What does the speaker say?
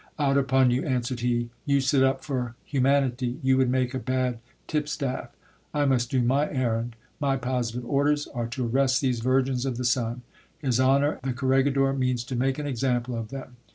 Out upon you, answered he, you set up for humanity ! you would make a bad tip staff. I must do my errand. My positive orders are to arrest these virgins of the sun ; his honour the corregidor means to make an example of them.